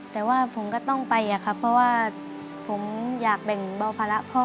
แต่ว่าผมก็ต้องไปอะครับเพราะว่าผมอยากแบ่งเบาภาระพ่อ